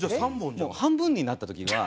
もう半分になった時には。